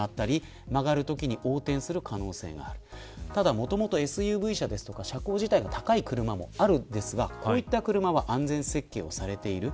もともとＳＵＶ車や車高が高い車もあるんですがこういった車は安全設計をされています。